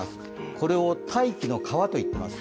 これを大気の川といっています